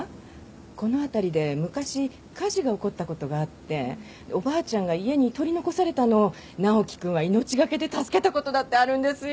この辺りで昔火事が起こったことがあっておばあちゃんが家に取り残されたのを直樹君は命懸けで助けたことだってあるんですよ。